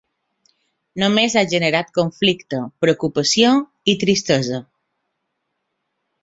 Només ha generat conflicte, preocupació i tristesa.